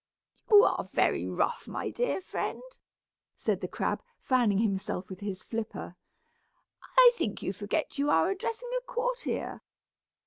"You are very rough, my dear friend," said the crab, fanning himself with his flipper. "I think you forget you are addressing a courtier.